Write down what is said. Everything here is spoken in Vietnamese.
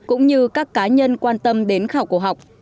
cũng như các cá nhân quan tâm đến khảo cổ học